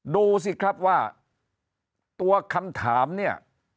ดูสิครับว่าตัวคำถามเนี่ย